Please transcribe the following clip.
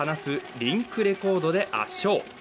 リンクレコードで圧勝。